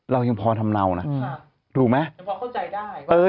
เรายังพอทำเน่านะถูกมั้ย